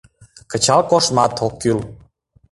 Кычал коштмат ок кӱл.